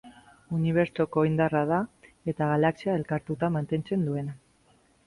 Unibertsoko indarra da, eta galaxia elkartuta mantentzen duena.